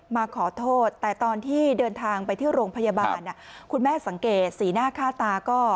มาขอโทษแต่ตอนที่เดินทางไปที่โรงพยาบาลคุณแม่สังเกตสีหน้าค่าตาก็